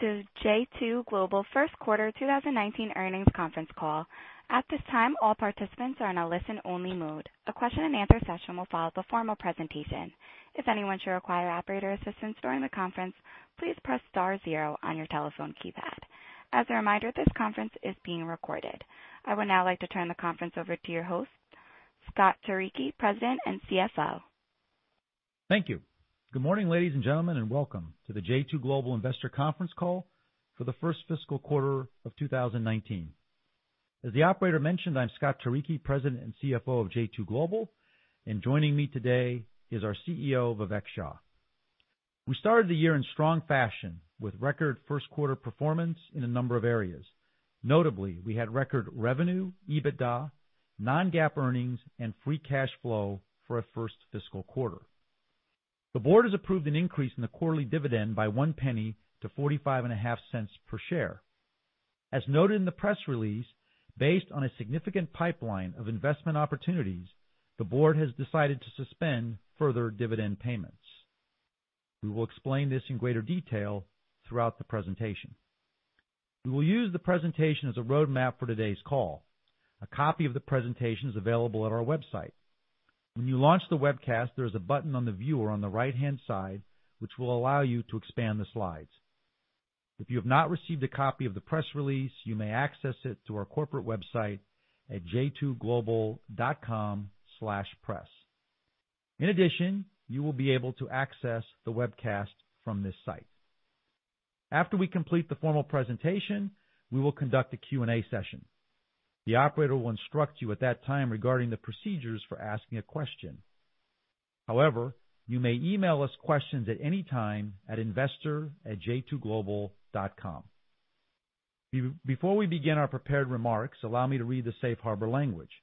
The J2 Global first quarter 2019 earnings conference call. At this time, all participants are in a listen-only mode. A question and answer session will follow the formal presentation. If anyone should require operator assistance during the conference, please press star zero on your telephone keypad. As a reminder, this conference is being recorded. I would now like to turn the conference over to your host, Scott Turicchi, President and CFO. Thank you. Good morning, ladies and gentlemen, and welcome to the J2 Global Investor Conference Call for the first fiscal quarter of 2019. As the operator mentioned, I'm Scott Turicchi, President and CFO of J2 Global, and joining me today is our CEO, Vivek Shah. We started the year in strong fashion with record first quarter performance in a number of areas. Notably, we had record revenue, EBITDA, non-GAAP earnings, and free cash flow for our first fiscal quarter. The board has approved an increase in the quarterly dividend by one penny to $0.455 per share. As noted in the press release, based on a significant pipeline of investment opportunities, the board has decided to suspend further dividend payments. We will explain this in greater detail throughout the presentation. We will use the presentation as a roadmap for today's call. A copy of the presentation is available at our website. When you launch the webcast, there is a button on the viewer on the right-hand side, which will allow you to expand the slides. If you have not received a copy of the press release, you may access it through our corporate website at j2global.com/press. In addition, you will be able to access the webcast from this site. After we complete the formal presentation, we will conduct a Q&A session. The operator will instruct you at that time regarding the procedures for asking a question. However, you may email us questions at any time at investor@j2global.com. Before we begin our prepared remarks, allow me to read the safe harbor language.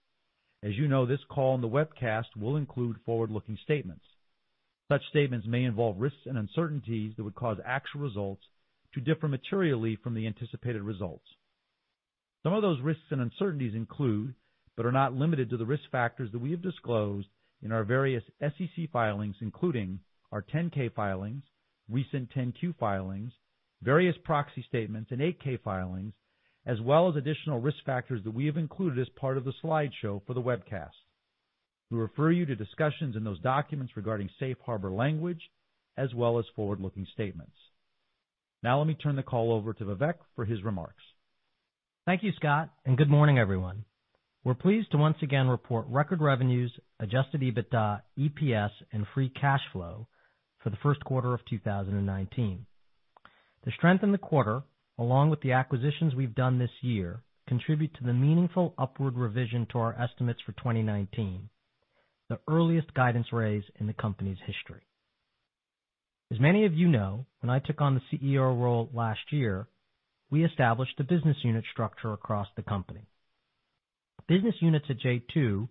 As you know, this call and the webcast will include forward-looking statements. Such statements may involve risks and uncertainties that would cause actual results to differ materially from the anticipated results. Some of those risks and uncertainties include, but are not limited to, the risk factors that we have disclosed in our various SEC filings, including our 10-K filings, recent 10-Q filings, various proxy statements, and 8-K filings, as well as additional risk factors that we have included as part of the slideshow for the webcast. We refer you to discussions in those documents regarding safe harbor language, as well as forward-looking statements. Let me turn the call over to Vivek for his remarks. Thank you, Scott, and good morning, everyone. We're pleased to once again report record revenues, adjusted EBITDA, EPS, and free cash flow for the first quarter of 2019. The strength in the quarter, along with the acquisitions we've done this year, contribute to the meaningful upward revision to our estimates for 2019, the earliest guidance raise in the company's history. As many of you know, when I took on the CEO role last year, we established a business unit structure across the company. Business units at J2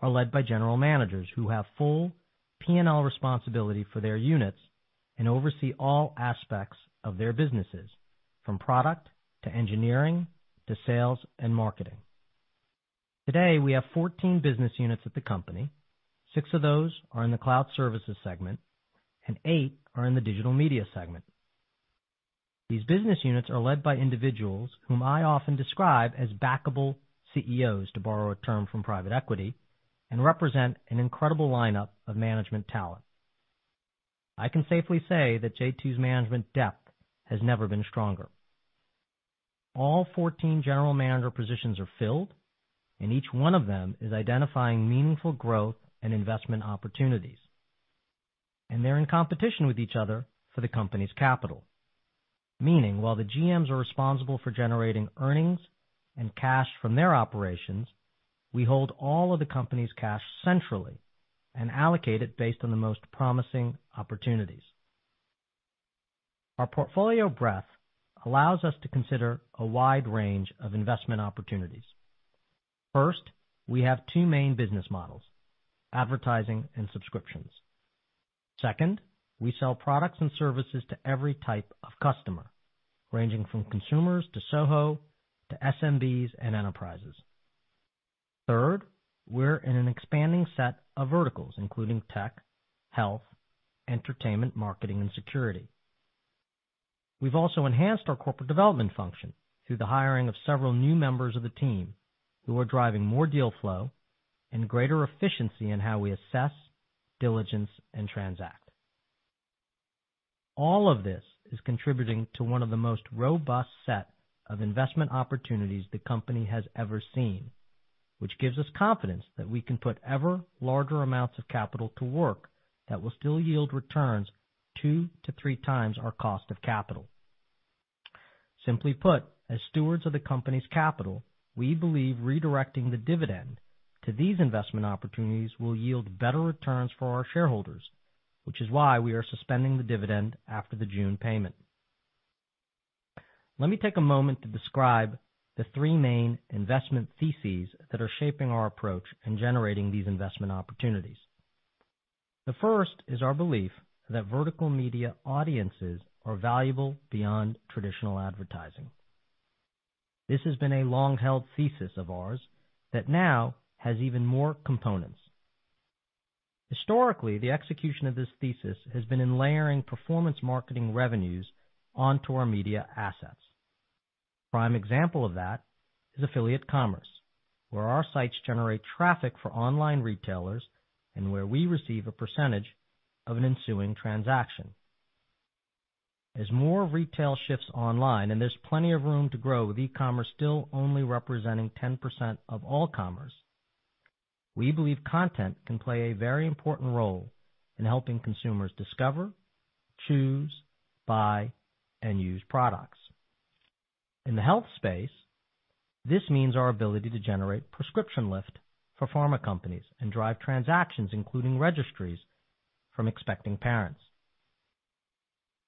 are led by general managers who have full P&L responsibility for their units and oversee all aspects of their businesses, from product to engineering to sales and marketing. Today, we have 14 business units at the company. Six of those are in the cloud services segment, and eight are in the digital media segment. These business units are led by individuals whom I often describe as backable CEOs, to borrow a term from private equity, and represent an incredible lineup of management talent. I can safely say that J2's management depth has never been stronger. All 14 general manager positions are filled, and each one of them is identifying meaningful growth and investment opportunities. They're in competition with each other for the company's capital. Meaning, while the GMs are responsible for generating earnings and cash from their operations, we hold all of the company's cash centrally and allocate it based on the most promising opportunities. Our portfolio breadth allows us to consider a wide range of investment opportunities. First, we have two main business models: advertising and subscriptions. Second, we sell products and services to every type of customer, ranging from consumers to SOHO to SMBs and enterprises. Third, we're in an expanding set of verticals, including tech, health, entertainment, marketing, and security. We've also enhanced our corporate development function through the hiring of several new members of the team who are driving more deal flow and greater efficiency in how we assess, diligence, and transact. All of this is contributing to one of the most robust set of investment opportunities the company has ever seen, which gives us confidence that we can put ever larger amounts of capital to work that will still yield returns two to three times our cost of capital. Simply put, as stewards of the company's capital, we believe redirecting the dividend to these investment opportunities will yield better returns for our shareholders, which is why we are suspending the dividend after the June payment. Let me take a moment to describe the three main investment theses that are shaping our approach in generating these investment opportunities. The first is our belief that vertical media audiences are valuable beyond traditional advertising. This has been a long-held thesis of ours that now has even more components. Historically, the execution of this thesis has been in layering performance marketing revenues onto our media assets. Prime example of that is affiliate commerce, where our sites generate traffic for online retailers and where we receive a percentage of an ensuing transaction. As more retail shifts online, and there's plenty of room to grow, with e-commerce still only representing 10% of all commerce, we believe content can play a very important role in helping consumers discover, choose, buy, and use products. In the health space, this means our ability to generate prescription lift for pharma companies and drive transactions, including registries from expecting parents.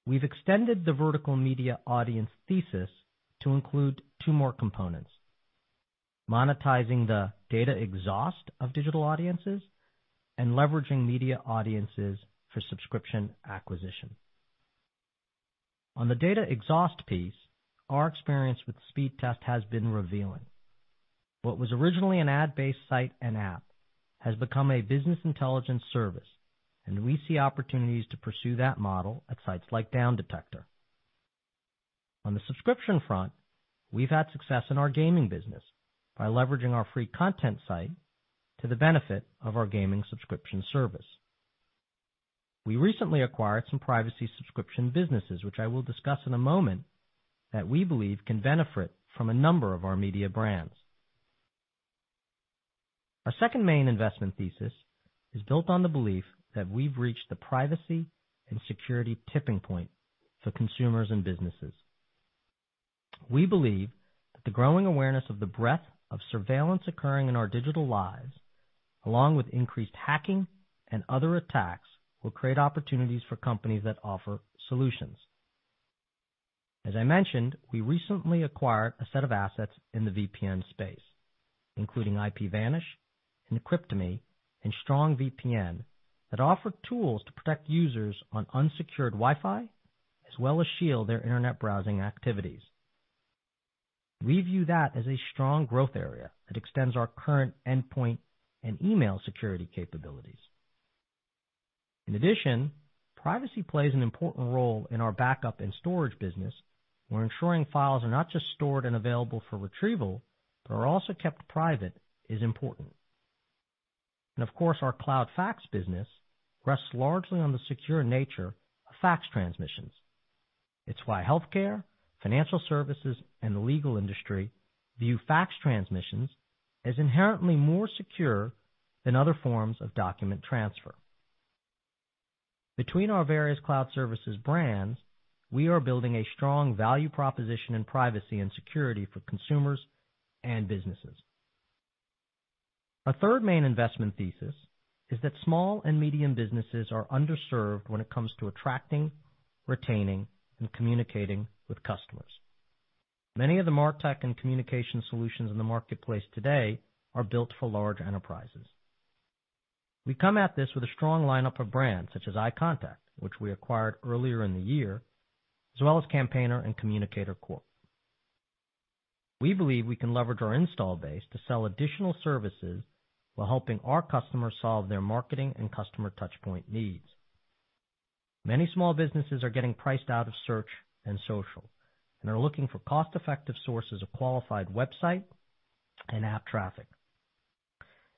We've extended the vertical media audience thesis to include two more components: monetizing the data exhaust of digital audiences and leveraging media audiences for subscription acquisition. On the data exhaust piece, our experience with Speedtest has been revealing. What was originally an ad-based site and app has become a business intelligence service, and we see opportunities to pursue that model at sites like Downdetector. On the subscription front, we've had success in our gaming business by leveraging our free content site to the benefit of our gaming subscription service. We recently acquired some privacy subscription businesses, which I will discuss in a moment, that we believe can benefit from a number of our media brands. Our second main investment thesis is built on the belief that we've reached the privacy and security tipping point for consumers and businesses. We believe that the growing awareness of the breadth of surveillance occurring in our digital lives, along with increased hacking and other attacks, will create opportunities for companies that offer solutions. As I mentioned, we recently acquired a set of assets in the VPN space, including IPVanish and Encrypt.me and StrongVPN, that offer tools to protect users on unsecured Wi-Fi, as well as shield their internet browsing activities. We view that as a strong growth area that extends our current endpoint and email security capabilities. In addition, privacy plays an important role in our backup and storage business, where ensuring files are not just stored and available for retrieval, but are also kept private, is important. Of course, our cloud fax business rests largely on the secure nature of fax transmissions. It's why healthcare, financial services, and the legal industry view fax transmissions as inherently more secure than other forms of document transfer. Between our various cloud services brands, we are building a strong value proposition in privacy and security for consumers and businesses. Our third main investment thesis is that small and medium businesses are underserved when it comes to attracting, retaining, and communicating with customers. Many of the Martech and communication solutions in the marketplace today are built for large enterprises. We come at this with a strong lineup of brands such as iContact, which we acquired earlier in the year, as well as Campaigner and Communicator Corp. We believe we can leverage our install base to sell additional services while helping our customers solve their marketing and customer touchpoint needs. Many small businesses are getting priced out of search and social and are looking for cost-effective sources of qualified website and app traffic.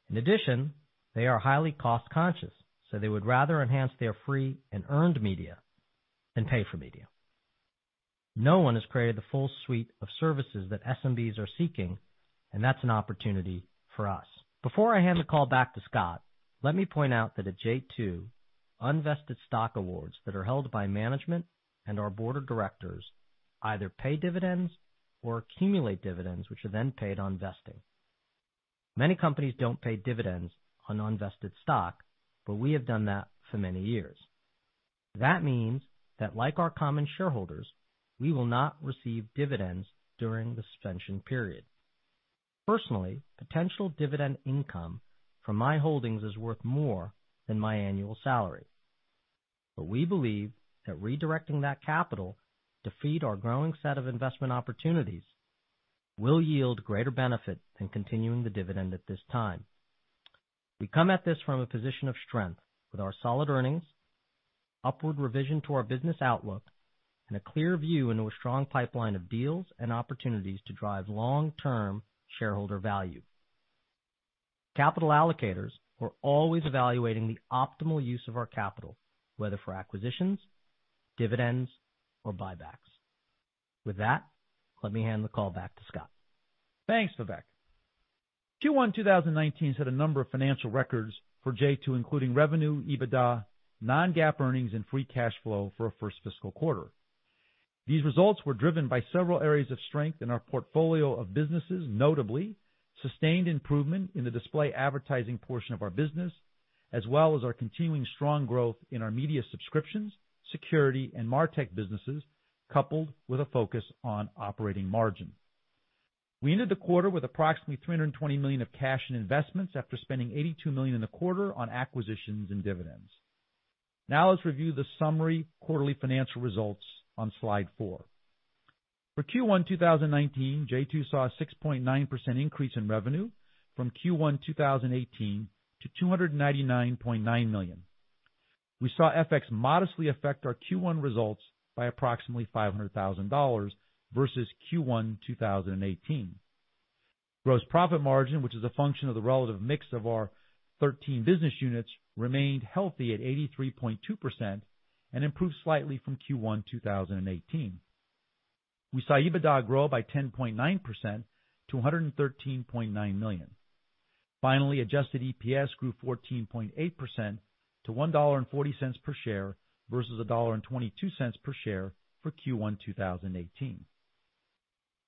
In addition, they are highly cost-conscious, so they would rather enhance their free and earned media than pay for media. No one has created the full suite of services that SMBs are seeking, and that's an opportunity for us. Before I hand the call back to Scott, let me point out that at J2, unvested stock awards that are held by management and our board of directors either pay dividends or accumulate dividends, which are then paid on vesting. Many companies don't pay dividends on unvested stock, but we have done that for many years. That means that like our common shareholders, we will not receive dividends during the suspension period. Personally, potential dividend income from my holdings is worth more than my annual salary. We believe that redirecting that capital to feed our growing set of investment opportunities will yield greater benefit than continuing the dividend at this time. We come at this from a position of strength with our solid earnings, upward revision to our business outlook, and a clear view into a strong pipeline of deals and opportunities to drive long-term shareholder value. Capital allocators are always evaluating the optimal use of our capital, whether for acquisitions, dividends, or buybacks. With that, let me hand the call back to Scott. Thanks, Vivek. Q1 2019 set a number of financial records for J2, including revenue, EBITDA, non-GAAP earnings, and free cash flow for a first fiscal quarter. These results were driven by several areas of strength in our portfolio of businesses, notably sustained improvement in the display advertising portion of our business, as well as our continuing strong growth in our media subscriptions, security, and MarTech businesses, coupled with a focus on operating margin. We ended the quarter with approximately $320 million of cash and investments after spending $82 million in the quarter on acquisitions and dividends. Now let's review the summary quarterly financial results on slide four. For Q1 2019, J2 saw a 6.9% increase in revenue from Q1 2018 to $299.9 million. We saw FX modestly affect our Q1 results by approximately $500,000 versus Q1 2018. Gross profit margin, which is a function of the relative mix of our 13 business units, remained healthy at 83.2% and improved slightly from Q1 2018. We saw EBITDA grow by 10.9% to $113.9 million. Finally, adjusted EPS grew 14.8% to $1.40 per share versus $1.22 per share for Q1 2018.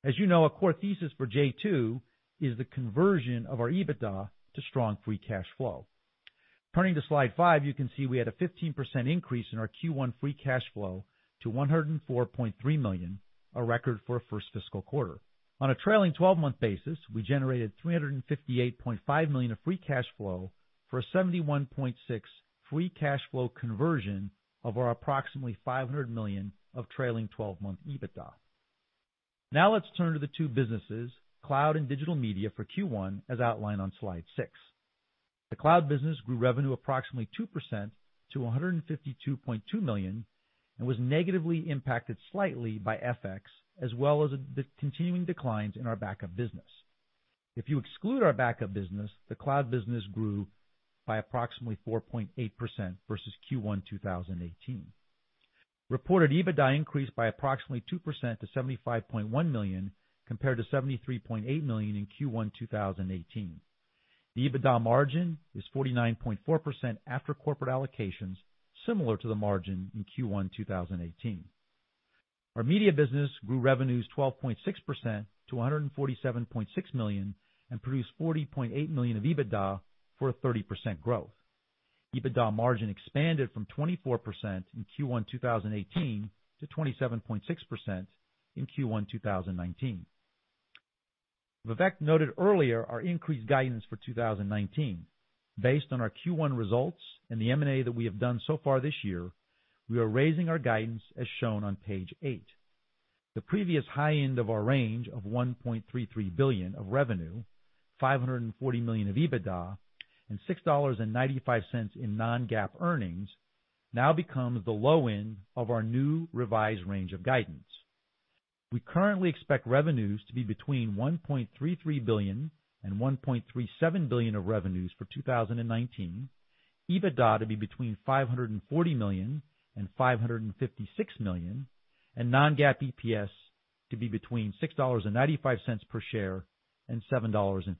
As you know, a core thesis for J2 is the conversion of our EBITDA to strong free cash flow. Turning to slide five, you can see we had a 15% increase in our Q1 free cash flow to $104.3 million, a record for a first fiscal quarter. On a trailing 12-month basis, we generated $358.5 million of free cash flow for a 71.6% free cash flow conversion of our approximately $500 million of trailing 12-month EBITDA. Now let's turn to the two businesses, cloud and digital media for Q1, as outlined on slide six. The cloud business grew revenue approximately 2% to $152.2 million, and was negatively impacted slightly by FX, as well as the continuing declines in our backup business. If you exclude our backup business, the cloud business grew by approximately 4.8% versus Q1 2018. Reported EBITDA increased by approximately 2% to $75.1 million, compared to $73.8 million in Q1 2018. The EBITDA margin is 49.4% after corporate allocations, similar to the margin in Q1 2018. Our media business grew revenues 12.6% to $147.6 million and produced $40.8 million of EBITDA, for a 30% growth. EBITDA margin expanded from 24% in Q1 2018 to 27.6% in Q1 2019. Vivek noted earlier our increased guidance for 2019. Based on our Q1 results and the M&A that we have done so far this year, we are raising our guidance as shown on page eight. The previous high end of our range of $1.33 billion of revenue, $540 million of EBITDA, and $6.95 in non-GAAP earnings now becomes the low end of our new revised range of guidance. We currently expect revenues to be between $1.33 billion and $1.37 billion of revenues for 2019, EBITDA to be between $540 million and $556 million, and non-GAAP EPS to be between $6.95 per share and $7.15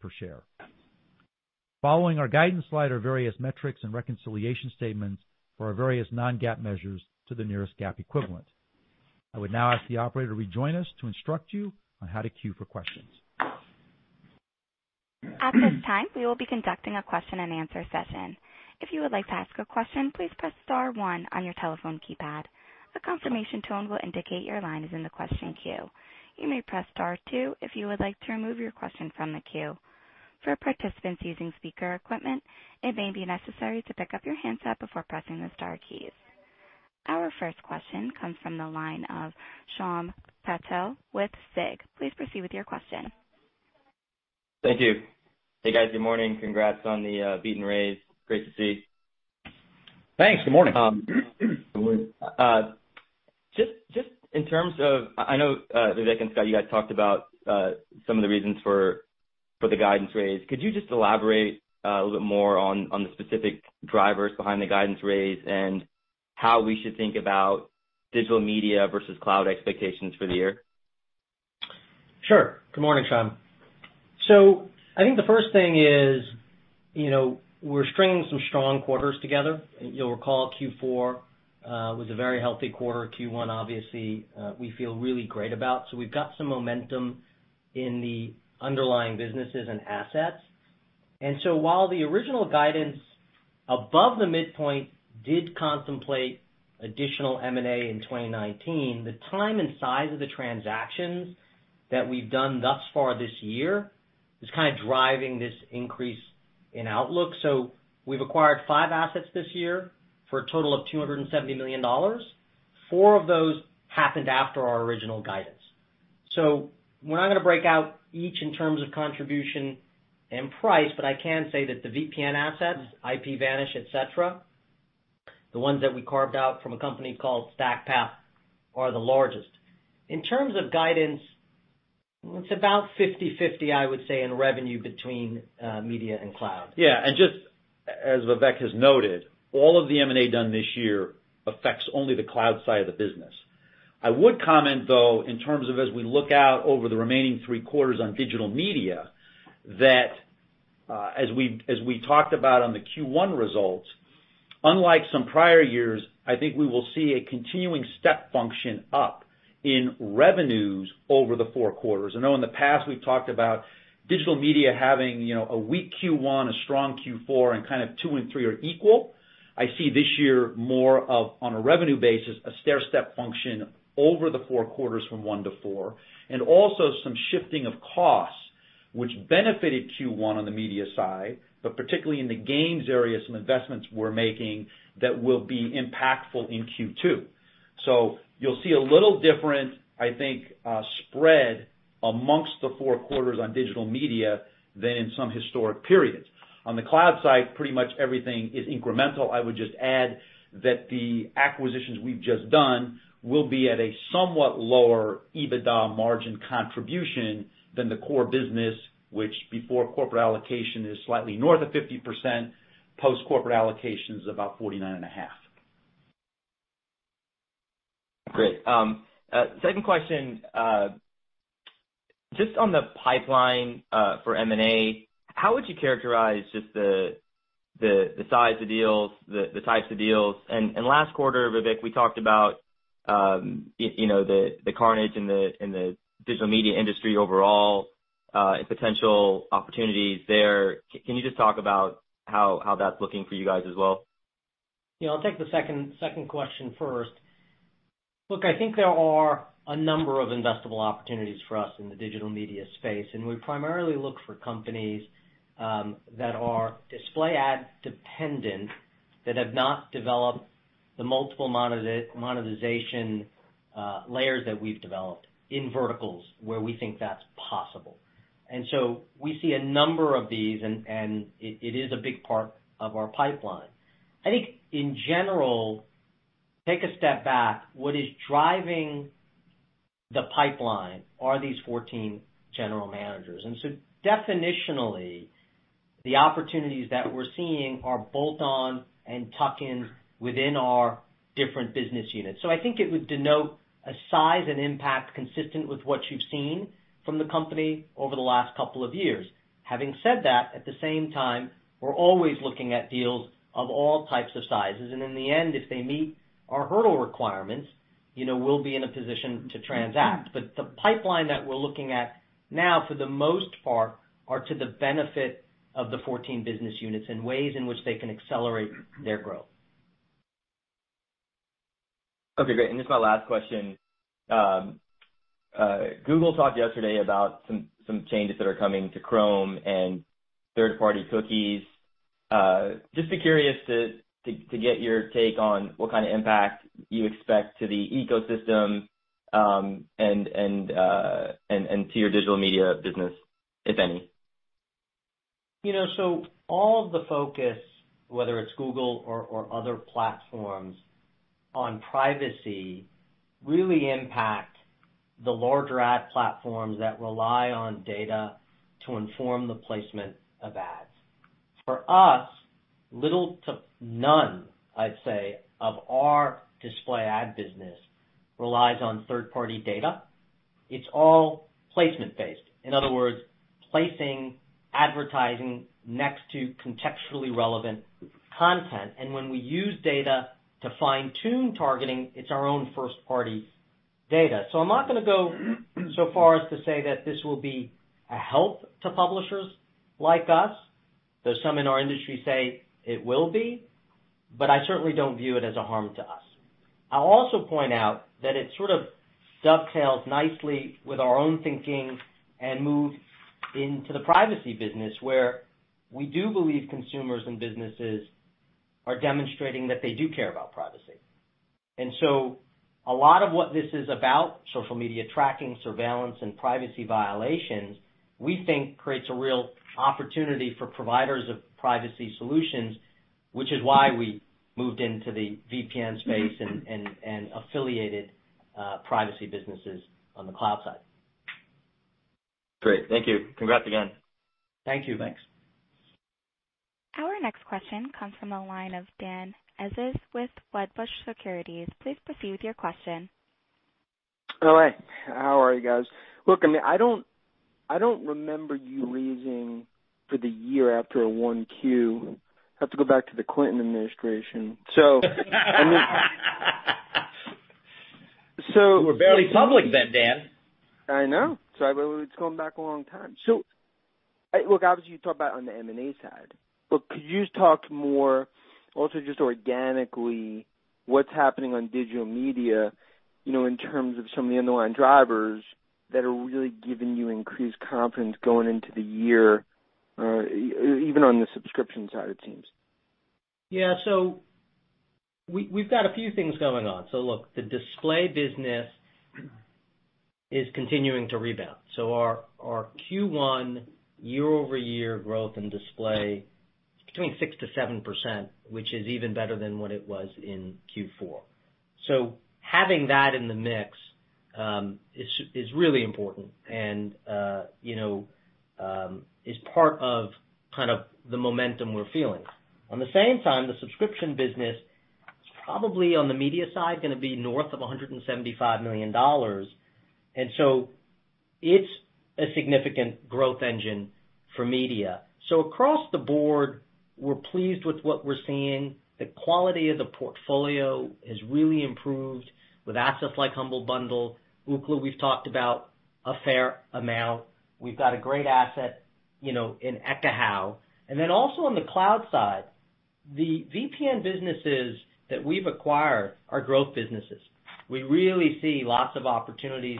per share. Following our guidance slide are various metrics and reconciliation statements for our various non-GAAP measures to the nearest GAAP equivalent. I would now ask the operator to rejoin us to instruct you on how to queue for questions. At this time, we will be conducting a question and answer session. If you would like to ask a question, please press star one on your telephone keypad. A confirmation tone will indicate your line is in the question queue. You may press star two if you would like to remove your question from the queue. For participants using speaker equipment, it may be necessary to pick up your handset before pressing the star keys. Our first question comes from the line of Shyam Patel with SIG. Please proceed with your question. Thank you. Hey, guys. Good morning. Congrats on the beat and raise. Great to see. Thanks. Good morning. Good morning. I know, Vivek and Scott, you guys talked about some of the reasons for the guidance raise. Could you just elaborate a little bit more on the specific drivers behind the guidance raise and how we should think about digital media versus cloud expectations for the year? Sure. Good morning, Shyam. I think the first thing is we're stringing some strong quarters together. You'll recall Q4 was a very healthy quarter. Q1, obviously, we feel really great about. We've got some momentum in the underlying businesses and assets. While the original guidance above the midpoint did contemplate additional M&A in 2019, the time and size of the transactions that we've done thus far this year is kind of driving this increase in outlook. We've acquired five assets this year for a total of $270 million. Four of those happened after our original guidance. We're not going to break out each in terms of contribution and price, but I can say that the VPN assets, IPVanish, et cetera, the ones that we carved out from a company called StackPath, are the largest. In terms of guidance, it's about 50/50, I would say, in revenue between media and cloud. Yeah. Just as Vivek has noted, all of the M&A done this year affects only the cloud side of the business. I would comment, though, in terms of as we look out over the remaining three quarters on digital media, that as we talked about on the Q1 results, unlike some prior years, I think we will see a continuing step function up in revenues over the four quarters. I know in the past we've talked about digital media having a weak Q1, a strong Q4, and kind of two and three are equal. I see this year more of, on a revenue basis, a stairstep function over the four quarters from one to four, also some shifting of costs, which benefited Q1 on the media side, but particularly in the games area, some investments we're making that will be impactful in Q2. You'll see a little different, I think, spread amongst the four quarters on digital media than in some historic periods. On the cloud side, pretty much everything is incremental. I would just add that the acquisitions we've just done will be at a somewhat lower EBITDA margin contribution than the core business, which before corporate allocation is slightly north of 50%. Post corporate allocation is about 49.5%. Great. Second question, just on the pipeline, for M&A, how would you characterize just the size of deals, the types of deals? Last quarter, Vivek, we talked about the carnage in the digital media industry overall, and potential opportunities there. Can you just talk about how that's looking for you guys as well? Yeah. I'll take the second question first. Look, I think there are a number of investable opportunities for us in the digital media space, we primarily look for companies that are display ad dependent, that have not developed the multiple monetization layers that we've developed in verticals where we think that's possible. We see a number of these, and it is a big part of our pipeline. I think in general, take a step back, what is driving the pipeline are these 14 general managers. Definitionally, the opportunities that we're seeing are bolt-on and tuck-in within our different business units. I think it would denote a size and impact consistent with what you've seen from the company over the last couple of years. Having said that, at the same time, we're always looking at deals of all types of sizes. In the end, if they meet our hurdle requirements, we'll be in a position to transact. The pipeline that we're looking at now, for the most part, are to the benefit of the 14 business units in ways in which they can accelerate their growth. Okay, great. This is my last question. Google talked yesterday about some changes that are coming to Chrome and third-party cookies. Just be curious to get your take on what kind of impact you expect to the ecosystem, and to your digital media business, if any. All the focus, whether it's Google or other platforms on privacy, really impact the larger ad platforms that rely on data to inform the placement of ads. For us, little to none, I'd say, of our display ad business relies on third-party data. It's all placement-based. In other words, placing advertising next to contextually relevant content. When we use data to fine-tune targeting, it's our own first-party data. I'm not going to go so far as to say that this will be a help to publishers like us, though some in our industry say it will be, but I certainly don't view it as a harm to us. I'll also point out that it sort of dovetails nicely with our own thinking and move into the privacy business, where we do believe consumers and businesses are demonstrating that they do care about privacy. A lot of what this is about, social media tracking, surveillance, and privacy violations, we think creates a real opportunity for providers of privacy solutions, which is why we moved into the VPN space and affiliated privacy businesses on the cloud side. Great. Thank you. Congrats again. Thank you. Thanks. Our next question comes from the line of Dan Ives with Wedbush Securities. Please proceed with your question. Hey. How are you guys? Look, I mean, I don't remember you raising for the year after a one Q, have to go back to the Clinton administration. We were barely public then, Dan. I know. It's going back a long time. Look, obviously you talked about on the M&A side. Look, could you talk more also just organically, what's happening on digital media, in terms of some of the underlying drivers that are really giving you increased confidence going into the year, even on the subscription side of things? Yeah. We've got a few things going on. Look, the display business is continuing to rebound. Our Q1 year-over-year growth in display, between 6%-7%, which is even better than what it was in Q4. Having that in the mix, is really important and is part of kind of the momentum we're feeling. On the same time, the subscription business is probably, on the media side, going to be north of $175 million. It's a significant growth engine for media. Across the board, we're pleased with what we're seeing. The quality of the portfolio has really improved with assets like Humble Bundle. Ookla, we've talked about a fair amount. We've got a great asset in Ekahau. Also on the cloud side-The VPN businesses that we've acquired are growth businesses. We really see lots of opportunities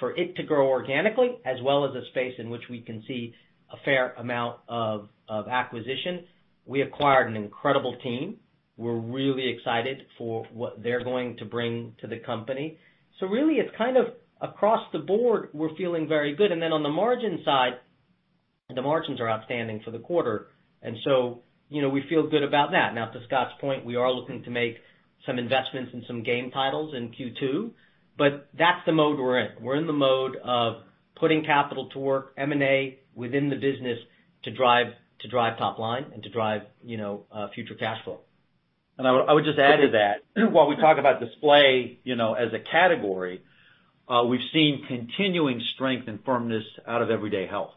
for it to grow organically, as well as a space in which we can see a fair amount of acquisition. We acquired an incredible team. We're really excited for what they're going to bring to the company. Really it's kind of across the board, we're feeling very good. On the margin side, the margins are outstanding for the quarter, and so, we feel good about that. Now, to Scott's point, we are looking to make some investments in some game titles in Q2, but that's the mode we're in. We're in the mode of putting capital to work, M&A within the business to drive top line and to drive future cash flow. I would just add to that, while we talk about display, as a category, we've seen continuing strength and firmness out of Everyday Health,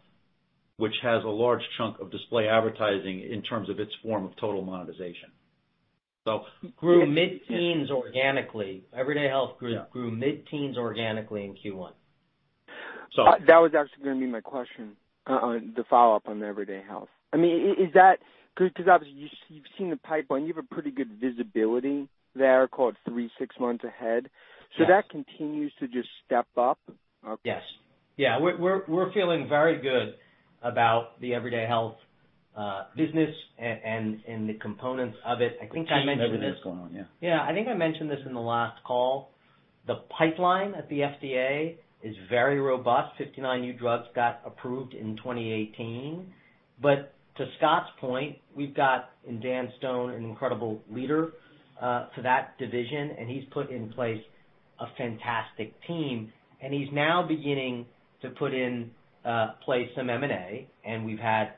which has a large chunk of display advertising in terms of its form of total monetization. Grew mid-teens organically. Everyday Health grew Yeah mid-teens organically in Q1. So- That was actually going to be my question on the follow-up on Everyday Health. You've seen the pipeline, you have a pretty good visibility there, call it three, six months ahead. Yes. That continues to just step up? Yes. We're feeling very good about the Everyday Health business and the components of it. I think I mentioned this- Everything that's going on, yeah. Yeah. I think I mentioned this in the last call. The pipeline at the FDA is very robust. 59 new drugs got approved in 2018. To Scott's point, we've got in Dan Stone, an incredible leader, for that division, and he's put in place a fantastic team, and he's now beginning to put in place some M&A, and we've had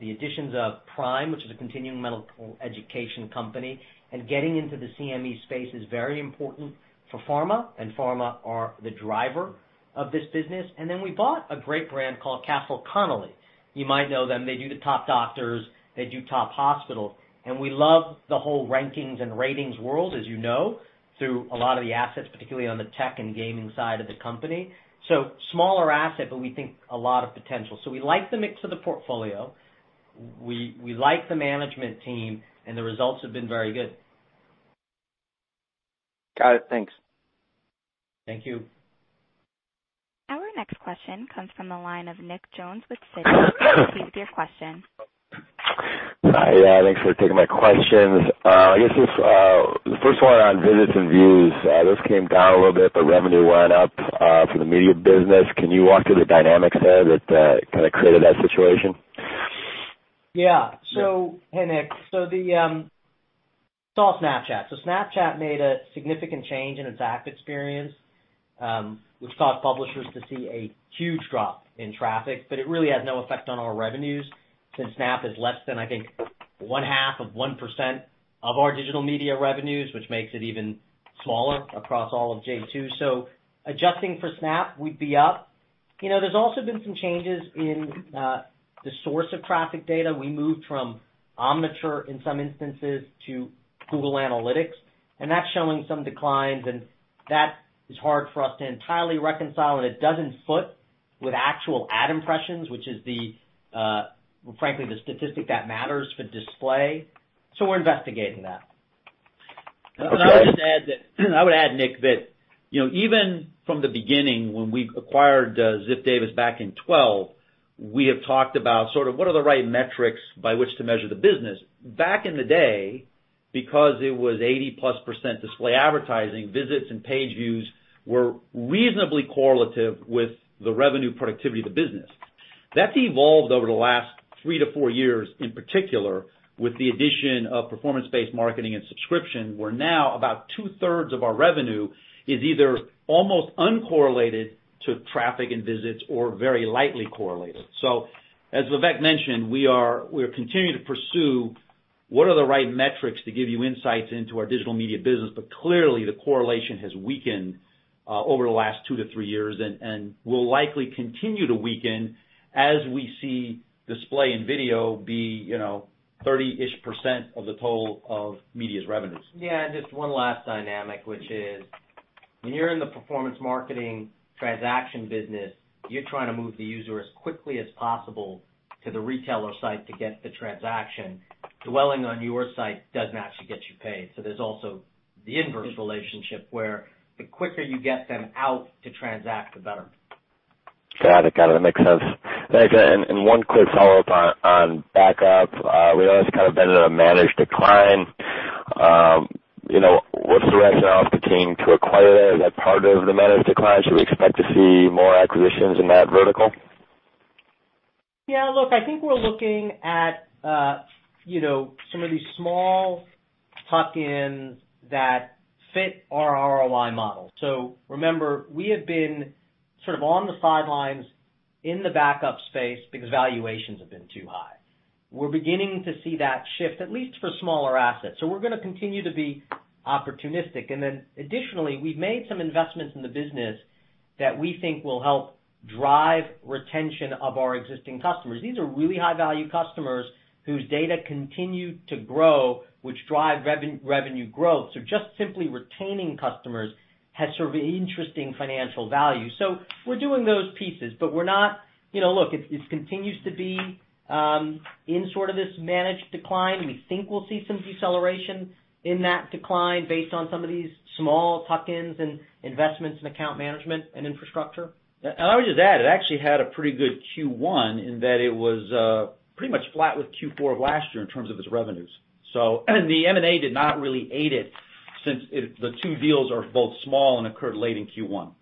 the additions of PRIME, which is a continuing medical education company, and getting into the CME space is very important for pharma, and pharma are the driver of this business. Then we bought a great brand called Castle Connolly. You might know them. They do the top doctors, they do top hospital. We love the whole rankings and ratings world, as you know, through a lot of the assets, particularly on the tech and gaming side of the company. Smaller asset, but we think a lot of potential. We like the mix of the portfolio, we like the management team, and the results have been very good. Got it. Thanks. Thank you. Our next question comes from the line of Nicholas Jones with Citi. Please proceed with your question. Hi. Thanks for taking my questions. The first one on visits and views. Those came down a little bit, but revenue went up for the media business. Can you walk through the dynamics there that kind of created that situation? Yeah. Hey, Nick. It's all Snapchat. Snapchat made a significant change in its app experience, which caused publishers to see a huge drop in traffic, but it really had no effect on our revenues since Snap is less than, I think, one half of 1% of our digital media revenues, which makes it even smaller across all of J2. Adjusting for Snap, we'd be up. There's also been some changes in the source of traffic data. We moved from Omniture in some instances to Google Analytics, and that's showing some declines, and that is hard for us to entirely reconcile, and it doesn't foot with actual ad impressions, which is frankly, the statistic that matters for display. We're investigating that. Okay. I would add, Nick, that even from the beginning when we acquired Ziff Davis back in 2012, we have talked about sort of what are the right metrics by which to measure the business. Back in the day, because it was 80-plus % display advertising, visits and page views were reasonably correlative with the revenue productivity of the business. That's evolved over the last three to four years, in particular, with the addition of performance-based marketing and subscription, where now about two-thirds of our revenue is either almost uncorrelated to traffic and visits or very lightly correlated. As Vivek mentioned, we're continuing to pursue what are the right metrics to give you insights into our digital media business. Clearly, the correlation has weakened over the last two to three years and will likely continue to weaken as we see display and video be 30-ish % of the total of media's revenues. Just one last dynamic, which is when you're in the performance marketing transaction business, you're trying to move the user as quickly as possible to the retailer site to get the transaction. Dwelling on your site doesn't actually get you paid. There's also the inverse relationship where the quicker you get them out to transact, the better. Got it. That makes sense. One quick follow-up on backup. We know that's kind of been in a managed decline. What's the S&L looking to acquire there? Is that part of the managed decline? Should we expect to see more acquisitions in that vertical? I think we're looking at some of these small tuck-ins that fit our ROI model. Remember, we have been sort of on the sidelines in the backup space because valuations have been too high. We're beginning to see that shift, at least for smaller assets. We're going to continue to be opportunistic. Additionally, we've made some investments in the business that we think will help drive retention of our existing customers. These are really high-value customers whose data continue to grow, which drive revenue growth. Just simply retaining customers has sort of an interesting financial value. We're doing those pieces, but we're not. Look, it continues to be in sort of this managed decline. We think we'll see some deceleration in that decline based on some of these small tuck-ins and investments in account management and infrastructure. I would just add, it actually had a pretty good Q1 in that it was pretty much flat with Q4 of last year in terms of its revenues. The M&A did not really aid it since the two deals are both small and occurred late in Q1.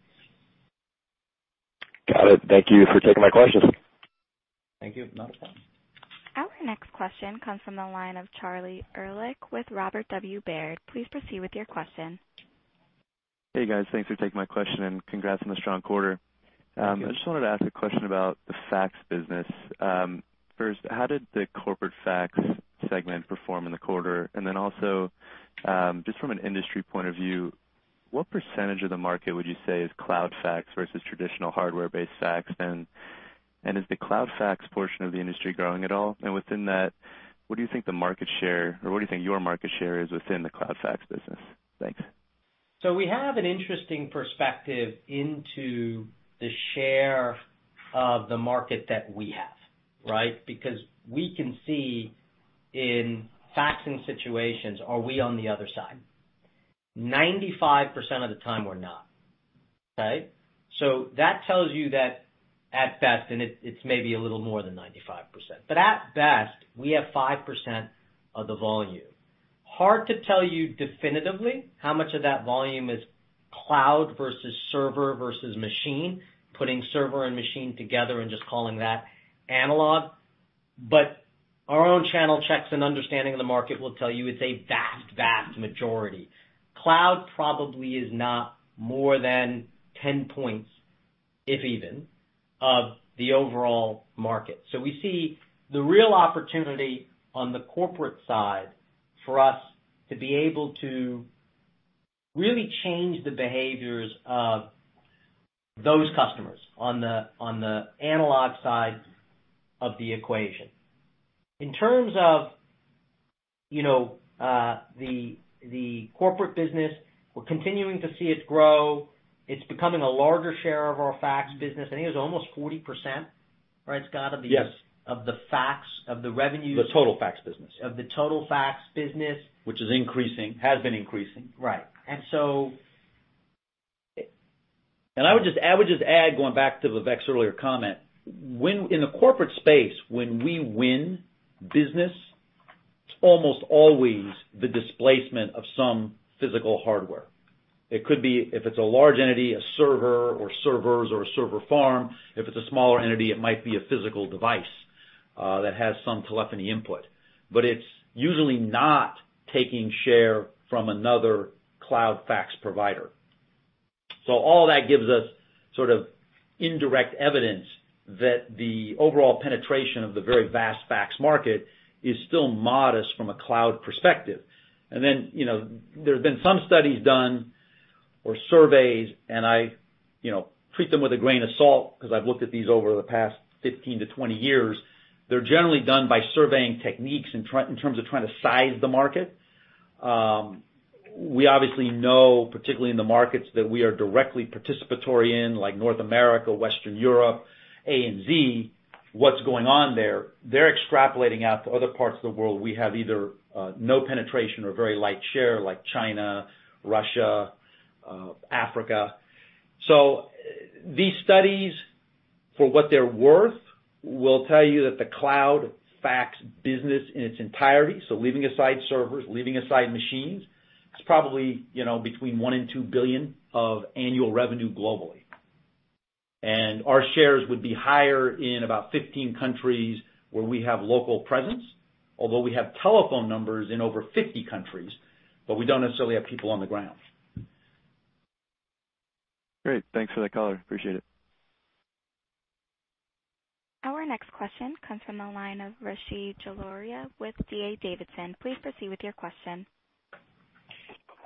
Got it. Thank you for taking my questions. Thank you. No problem. Our next question comes from the line of Charlie Ehrlich with Robert W. Baird. Please proceed with your question. Hey, guys. Thanks for taking my question, and congrats on the strong quarter. Thank you. I just wanted to ask a question about the fax business. First, how did the corporate fax segment perform in the quarter? Also, just from an industry point of view, what percentage of the market would you say is cloud fax versus traditional hardware-based fax? Is the cloud fax portion of the industry growing at all? Within that, what do you think the market share, or what do you think your market share is within the cloud fax business? Thanks. We have an interesting perspective into the share of the market that we have, right? Because we can see in faxing situations, are we on the other side? 95% of the time we're not. Okay? That tells you that at best, and it's maybe a little more than 95%, but at best, we have 5% of the volume. Hard to tell you definitively how much of that volume is cloud versus server versus machine, putting server and machine together and just calling that analog. Our own channel checks and understanding of the market will tell you it's a vast majority. Cloud probably is not more than 10 points, if even, of the overall market. We see the real opportunity on the corporate side for us to be able to really change the behaviors of those customers on the analog side of the equation. In terms of the corporate business, we're continuing to see it grow. It's becoming a larger share of our fax business. I think it's almost 40%, right, Scott? Yes. Of the fax, The total fax business of the total fax business. Which is increasing, has been increasing. Right. I would just add, going back to Vivek's earlier comment. In the corporate space, when we win business, it's almost always the displacement of some physical hardware. It could be, if it's a large entity, a server or servers or a server farm. If it's a smaller entity, it might be a physical device, that has some telephony input. It's usually not taking share from another cloud fax provider. All that gives us sort of indirect evidence that the overall penetration of the very vast fax market is still modest from a cloud perspective. There's been some studies done or surveys, and I treat them with a grain of salt because I've looked at these over the past 15 to 20 years. They're generally done by surveying techniques in terms of trying to size the market. We obviously know, particularly in the markets that we are directly participatory in, like North America, Western Europe, A.N.Z., what's going on there. They're extrapolating out to other parts of the world we have either no penetration or very light share, like China, Russia, Africa. These studies, for what they're worth, will tell you that the cloud fax business in its entirety, leaving aside servers, leaving aside machines, is probably between $1 billion-$2 billion of annual revenue globally. Our shares would be higher in about 15 countries where we have local presence, although we have telephone numbers in over 50 countries, but we don't necessarily have people on the ground. Great. Thanks for the color. Appreciate it. Our next question comes from the line of Rishi Jaluria with D.A. Davidson. Please proceed with your question.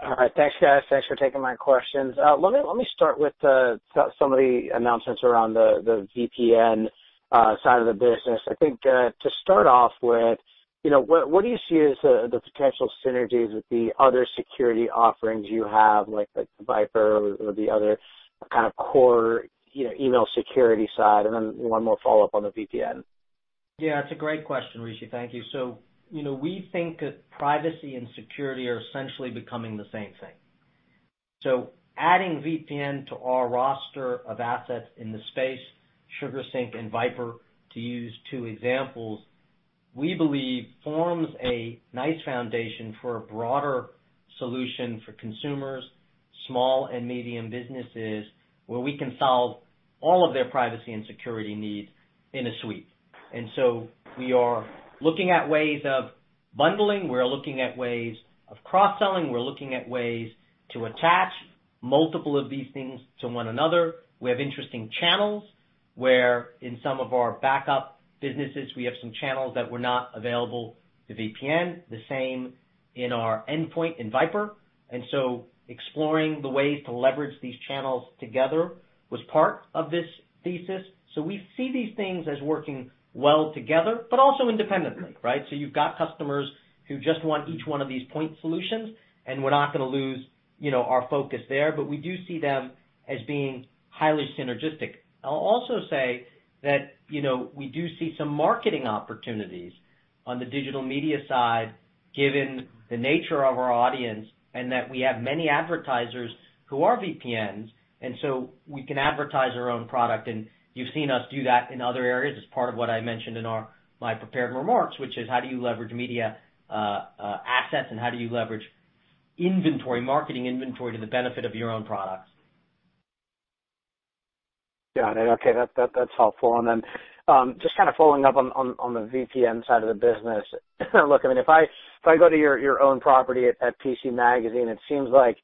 All right. Thanks, guys. Thanks for taking my questions. Let me start with some of the announcements around the VPN side of the business. I think, to start off with, what do you see as the potential synergies with the other security offerings you have, like VIPRE or the other kind of core email security side? One more follow-up on the VPN. Yeah, it's a great question, Rishi. Thank you. We think that privacy and security are essentially becoming the same thing. Adding VPN to our roster of assets in the space, SugarSync and VIPRE, to use two examples, we believe forms a nice foundation for a broader solution for consumers, small and medium businesses, where we can solve all of their privacy and security needs in a suite. We are looking at ways of bundling, we're looking at ways of cross-selling, we're looking at ways to attach multiple of these things to one another. We have interesting channels. Where in some of our backup businesses, we have some channels that were not available to VPN, the same in our endpoint in VIPRE. Exploring the ways to leverage these channels together was part of this thesis. We see these things as working well together, but also independently, right? You've got customers who just want each one of these point solutions, and we're not going to lose our focus there, but we do see them as being highly synergistic. I'll also say that we do see some marketing opportunities on the digital media side, given the nature of our audience, and that we have many advertisers who are VPNs, we can advertise our own product. You've seen us do that in other areas as part of what I mentioned in my prepared remarks, which is how do you leverage media assets and how do you leverage inventory, marketing inventory to the benefit of your own products. Got it. Okay. That's helpful. Then, just kind of following up on the VPN side of the business. Look, I mean, if I go to your own property at PCMag, it seems like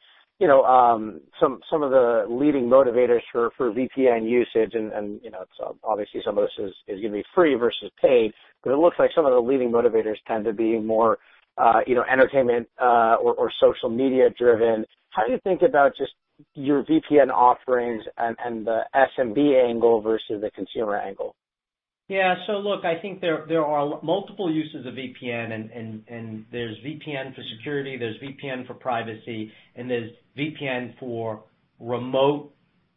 some of the leading motivators for VPN usage and, obviously some of this is going to be free versus paid, but it looks like some of the leading motivators tend to be more entertainment or social media-driven. How do you think about just your VPN offerings and the SMB angle versus the consumer angle? Yeah. Look, I think there are multiple uses of VPN and there's VPN for security, there's VPN for privacy, and there's VPN for remote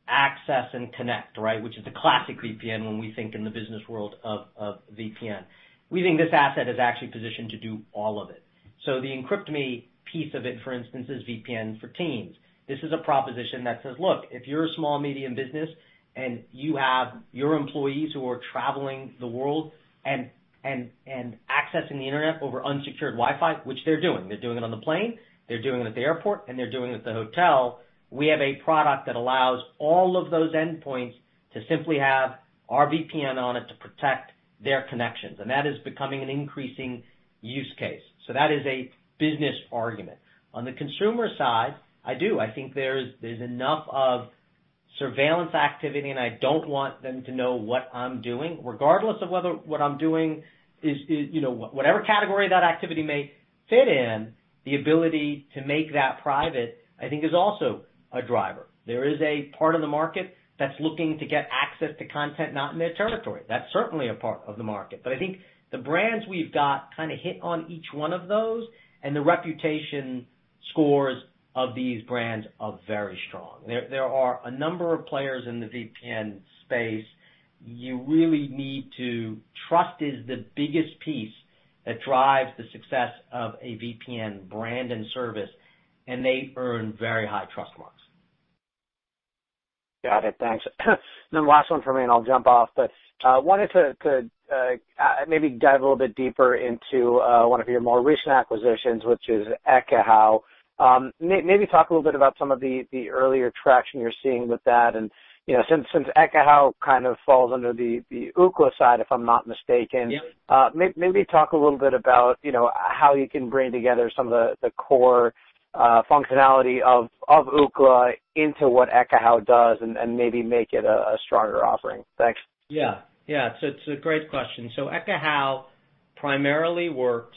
access and connect. Which is the classic VPN when we think in the business world of VPN. We think this asset is actually positioned to do all of it. The Encrypt.me piece of it, for instance, is VPN for teams. This is a proposition that says, look, if you're a small, medium business and you have your employees who are traveling the world and accessing the internet over unsecured Wi-Fi, which they're doing, they're doing it on the plane, they're doing it at the airport, and they're doing it at the hotel. We have a product that allows all of those endpoints to simply have our VPN on it to protect their connections, and that is becoming an increasing use case. That is a business argument. On the consumer side, I think there's enough of surveillance activity and I don't want them to know what I'm doing, regardless of whether what I'm doing is whatever category that activity may fit in, the ability to make that private, I think is also a driver. There is a part of the market that's looking to get access to content not in their territory. That's certainly a part of the market. I think the brands we've got kind of hit on each one of those, and the reputation scores of these brands are very strong. There are a number of players in the VPN space. Trust is the biggest piece that drives the success of a VPN brand and service, and they earn very high trust marks. Got it. Thanks. Last one from me, I'll jump off, wanted to maybe dive a little bit deeper into one of your more recent acquisitions, which is Ekahau. Maybe talk a little bit about some of the earlier traction you're seeing with that. Since Ekahau kind of falls under the Ookla side, if I'm not mistaken. Yep Maybe talk a little bit about how you can bring together some of the core functionality of Ookla into what Ekahau does and maybe make it a stronger offering. Thanks. Yeah. It's a great question. Ekahau primarily works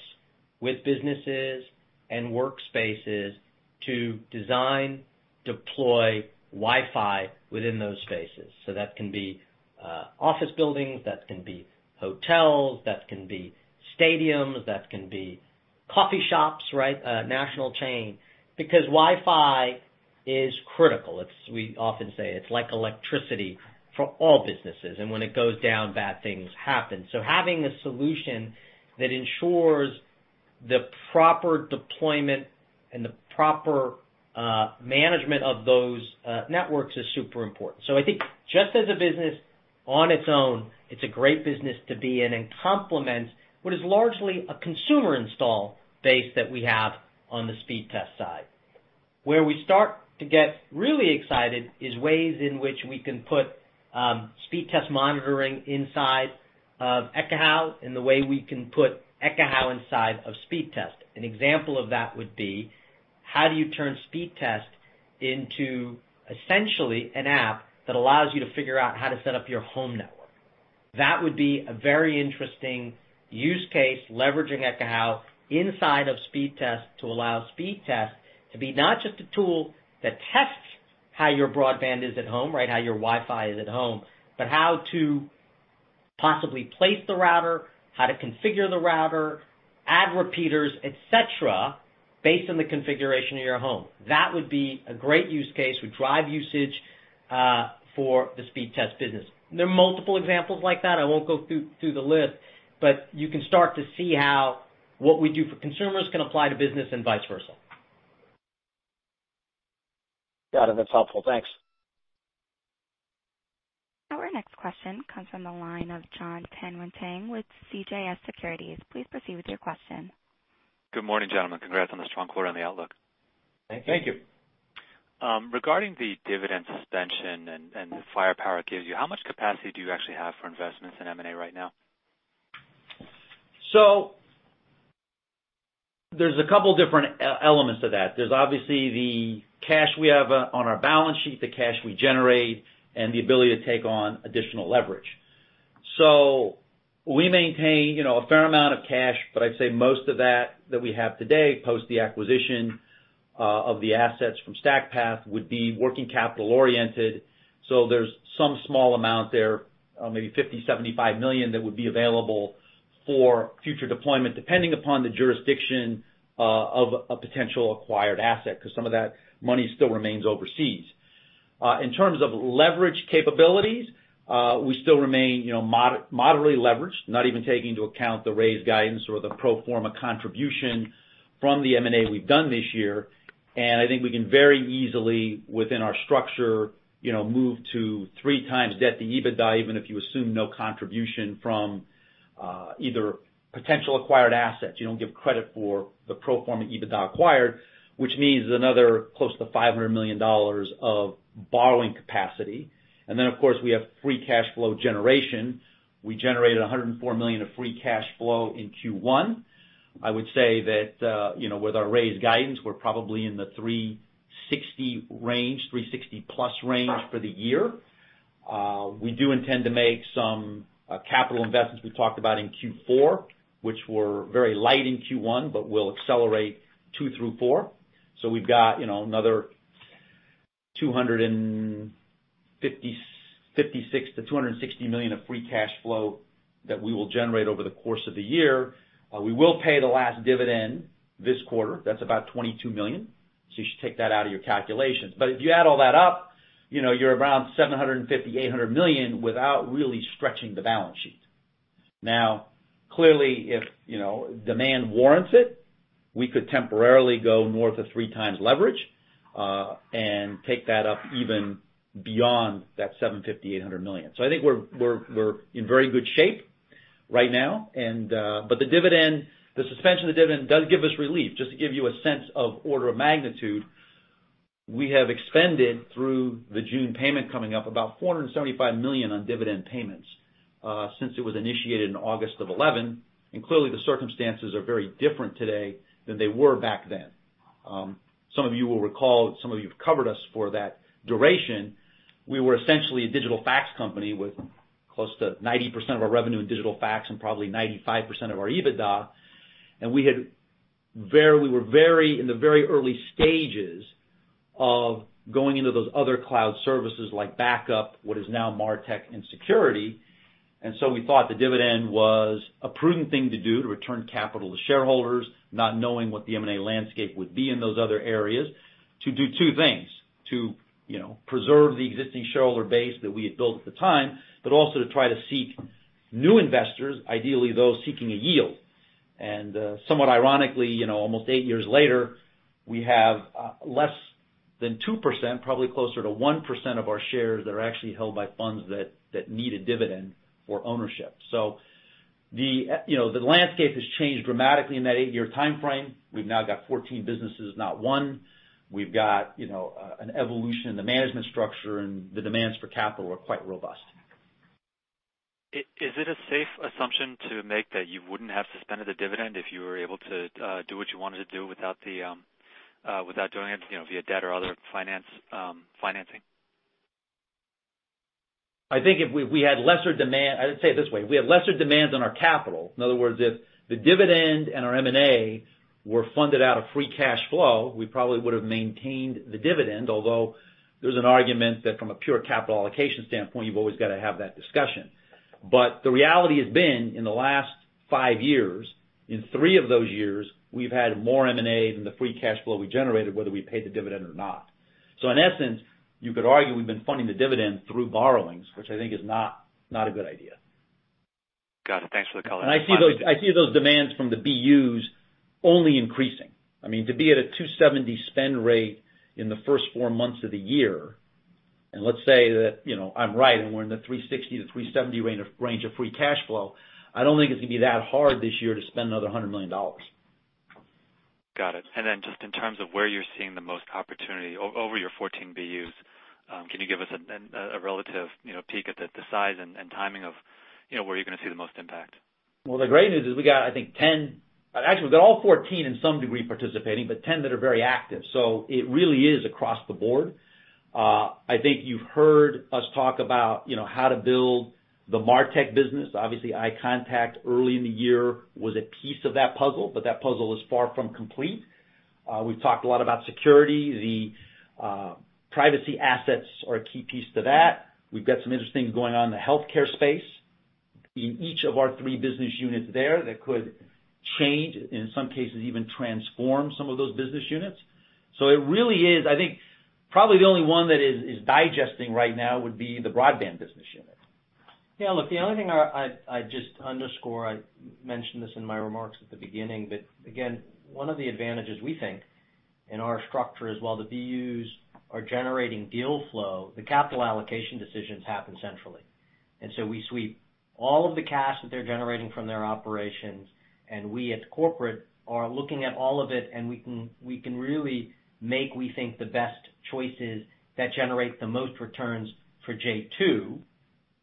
with businesses and workspaces to design, deploy Wi-Fi within those spaces. That can be office buildings, that can be hotels, that can be stadiums, that can be coffee shops, right? A national chain. Wi-Fi is critical. We often say it's like electricity for all businesses, and when it goes down, bad things happen. Having a solution that ensures the proper deployment and the proper management of those networks is super important. I think just as a business on its own, it's a great business to be in and complements what is largely a consumer install base that we have on the Speedtest side. Where we start to get really excited is ways in which we can put Speedtest monitoring inside of Ekahau and the way we can put Ekahau inside of Speedtest. An example of that would be, how do you turn Speedtest into essentially an app that allows you to figure out how to set up your home network? That would be a very interesting use case, leveraging Ekahau inside of Speedtest to allow Speedtest to be not just a tool that tests how your broadband is at home, right? How your Wi-Fi is at home, but how to possibly place the router, how to configure the router, add repeaters, et cetera, based on the configuration of your home. That would be a great use case. We drive usage, for the Speedtest business. There are multiple examples like that. I won't go through the list, but you can start to see how what we do for consumers can apply to business and vice versa. Got it. That's helpful. Thanks. Our next question comes from the line of Jonathan Tanwanteng with CJS Securities. Please proceed with your question. Good morning, gentlemen. Congrats on the strong quarter and the outlook. Thank you. Thank you. Regarding the dividend suspension and the firepower it gives you, how much capacity do you actually have for investments in M&A right now? There's a couple different elements to that. There's obviously the cash we have on our balance sheet, the cash we generate, and the ability to take on additional leverage. We maintain a fair amount of cash, but I'd say most of that that we have today, post the acquisition of the assets from StackPath, would be working capital oriented. There's some small amount there, maybe $50 million-$75 million that would be available for future deployment, depending upon the jurisdiction of a potential acquired asset, because some of that money still remains overseas. In terms of leverage capabilities, we still remain moderately leveraged, not even taking into account the raised guidance or the pro forma contribution from the M&A we've done this year. I think we can very easily, within our structure, move to 3 times debt to EBITDA, even if you assume no contribution from either potential acquired assets. You don't give credit for the pro forma EBITDA acquired, which means another close to $500 million of borrowing capacity. Then, of course, we have free cash flow generation. We generated $104 million of free cash flow in Q1. I would say that, with our raised guidance, we're probably in the $360 million plus range for the year. We do intend to make some capital investments we talked about in Q4, which were very light in Q1, but will accelerate two through four. We've got another $256 million-$260 million of free cash flow that we will generate over the course of the year. We will pay the last dividend this quarter. That's about $22 million. You should take that out of your calculations. If you add all that up, you're around $750 million-$800 million without really stretching the balance sheet. Clearly, if demand warrants it, we could temporarily go more to 3 times leverage, and take that up even beyond that $750 million-$800 million. I think we're in very good shape right now. The suspension of the dividend does give us relief. Just to give you a sense of order of magnitude, we have expended, through the June payment coming up, about $475 million on dividend payments, since it was initiated in August of 2011. Clearly the circumstances are very different today than they were back then. Some of you will recall, some of you have covered us for that duration. We were essentially a digital fax company with close to 90% of our revenue in digital fax and probably 95% of our EBITDA. We were in the very early stages of going into those other cloud services like backup, what is now Martech and security. We thought the dividend was a prudent thing to do to return capital to shareholders, not knowing what the M&A landscape would be in those other areas to do two things: To preserve the existing shareholder base that we had built at the time, but also to try to seek new investors, ideally those seeking a yield. Somewhat ironically, almost 8 years later, we have less than 2%, probably closer to 1% of our shares that are actually held by funds that need a dividend for ownership. The landscape has changed dramatically in that 8-year timeframe. We've now got 14 businesses, not one. We've got an evolution in the management structure and the demands for capital are quite robust. Is it a safe assumption to make that you wouldn't have suspended the dividend if you were able to do what you wanted to do without doing it via debt or other financing? I think if we had lesser demands on our capital. In other words, if the dividend and our M&A were funded out of free cash flow, we probably would've maintained the dividend, although there's an argument that from a pure capital allocation standpoint, you've always got to have that discussion. The reality has been in the last five years, in three of those years, we've had more M&A than the free cash flow we generated, whether we paid the dividend or not. In essence, you could argue we've been funding the dividend through borrowings, which I think is not a good idea. Got it. Thanks for the color. I see those demands from the BUs only increasing. I mean, to be at a $270 spend rate in the first four months of the year, and let's say that I'm right and we're in the $360-$370 range of free cash flow, I don't think it's going to be that hard this year to spend another $100 million. Got it. Just in terms of where you're seeing the most opportunity over your 14 BUs, can you give us a relative peek at the size and timing of where you're going to see the most impact? Well, the great news is we got, I think, Actually, we've got all 14 in some degree participating, but 10 that are very active. It really is across the board. I think you've heard us talk about how to build the MarTech business. Obviously, iContact early in the year was a piece of that puzzle, but that puzzle is far from complete. We've talked a lot about security. The privacy assets are a key piece to that. We've got some interesting going on in the healthcare space in each of our three business units there that could change, in some cases, even transform some of those business units. It really is, I think probably the only one that is digesting right now would be the broadband business unit. Yeah, look, the only thing I'd just underscore, I mentioned this in my remarks at the beginning, but again, one of the advantages we think in our structure is while the BUs are generating deal flow, the capital allocation decisions happen centrally. We sweep all of the cash that they're generating from their operations, and we at corporate are looking at all of it, and we can really make, we think, the best choices that generate the most returns for J2,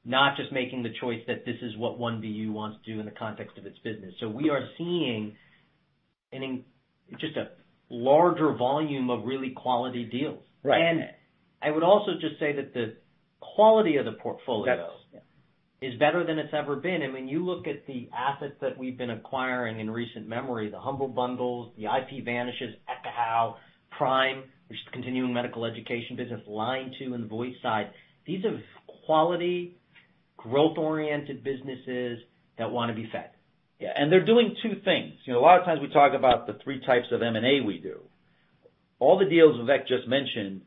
not just making the choice that this is what one BU wants to do in the context of its business. We are seeing just a larger volume of really quality deals. Right. I would also just say that the quality of the portfolio That's Yeah is better than it's ever been. When you look at the assets that we've been acquiring in recent memory, the Humble Bundles, the IPVanish, Ekahau, PRIME, which is the continuing medical education business, Line2 in the voice side, these are quality growth-oriented businesses that want to be fed. They're doing two things. A lot of times we talk about the three types of M&A we do. All the deals Vivek just mentioned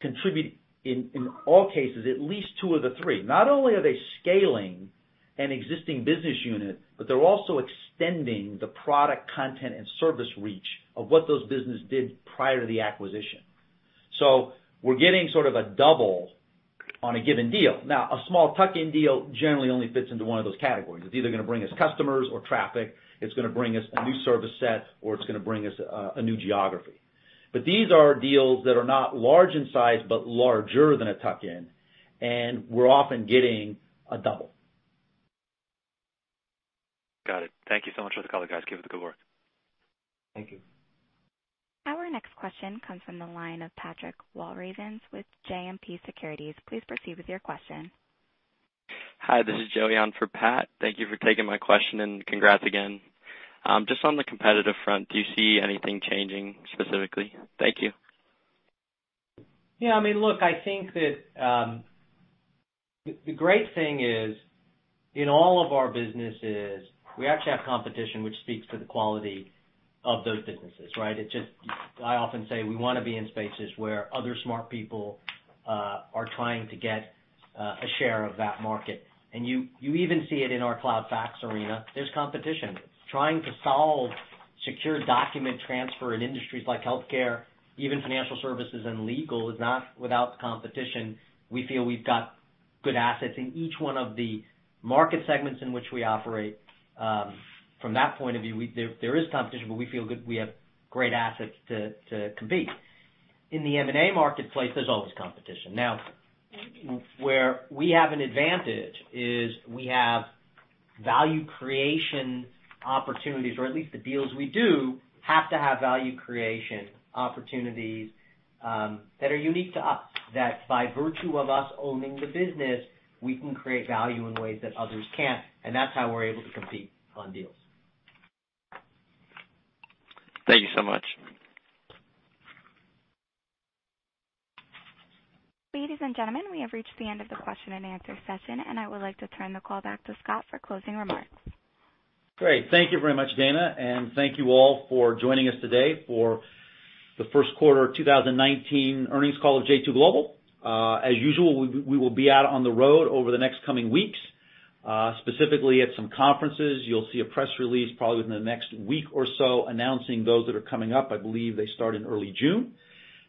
contribute in all cases at least two of the three. Not only are they scaling an existing business unit, but they're also extending the product content and service reach of what those business did prior to the acquisition. We're getting sort of a double on a given deal. Now, a small tuck-in deal generally only fits into one of those categories. It's either gonna bring us customers or traffic, it's gonna bring us a new service set, or it's gonna bring us a new geography. These are deals that are not large in size, but larger than a tuck-in, and we're often getting a double. Got it. Thank you so much for the call, guys. Keep up the good work. Thank you. Our next question comes from the line of Patrick Walravens with JMP Securities. Please proceed with your question. Hi, this is Joey on for Pat. Thank you for taking my question, and congrats again. Just on the competitive front, do you see anything changing specifically? Thank you. Yeah. Look, I think that the great thing is, in all of our businesses, we actually have competition, which speaks to the quality of those businesses, right? I often say we want to be in spaces where other smart people are trying to get a share of that market. You even see it in our Cloud Fax arena. There's competition. Trying to solve secure document transfer in industries like healthcare, even financial services and legal, is not without competition. We feel we've got good assets in each one of the market segments in which we operate. From that point of view, there is competition, but we feel good we have great assets to compete. In the M&A marketplace, there's always competition. Where we have an advantage is we have value creation opportunities, or at least the deals we do have to have value creation opportunities that are unique to us, that by virtue of us owning the business, we can create value in ways that others can't, and that's how we're able to compete on deals. Thank you so much. Ladies and gentlemen, we have reached the end of the question and answer session. I would like to turn the call back to Scott for closing remarks. Great. Thank you very much, Dana. Thank you all for joining us today for the first quarter 2019 earnings call of J2 Global. As usual, we will be out on the road over the next coming weeks, specifically at some conferences. You'll see a press release probably within the next week or so announcing those that are coming up. I believe they start in early June.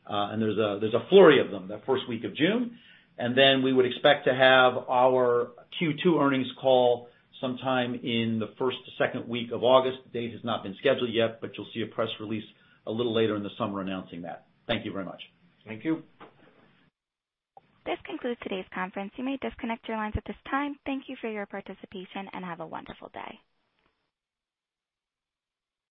There's a flurry of them that first week of June. Then we would expect to have our Q2 earnings call sometime in the first to second week of August. The date has not been scheduled yet, you'll see a press release a little later in the summer announcing that. Thank you very much. Thank you. This concludes today's conference. You may disconnect your lines at this time. Thank you for your participation, and have a wonderful day.